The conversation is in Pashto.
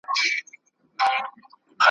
ور څرگنده یې آرزو کړه له اخلاصه ,